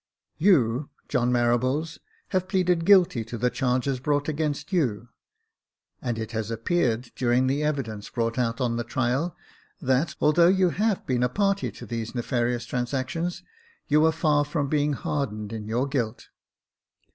" You, John Marables, have pleaded guilty to the charges brought against you ; and it has appeared, during the evidence brought out on the trial, that, although you have been a party to these nefarious transactions, you are far from being hardened in your guilt."